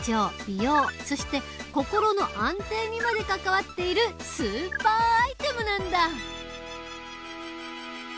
美容そして心の安定にまで関わっているスーパーアイテムなんだ！